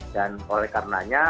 dan oleh karenanya